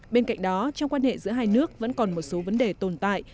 bên cạnh đó trong quan hệ giữa hai nước vẫn còn một số vấn đề tồn tại